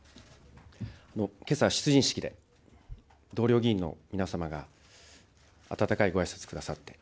けさ出陣式で、同僚議員の皆様が温かいごあいさつくださった。